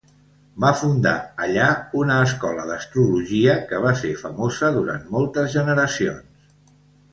Va fundar allà una escola d'astrologia que va ser famosa durant moltes generacions.